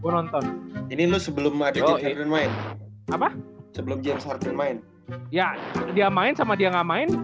nonton ini lu sebelum ada di jerman main apa sebelum jerman main ya dia main sama dia ngamain